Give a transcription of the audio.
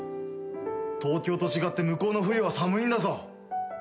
東京と違って向こうの冬は寒いんだぞ。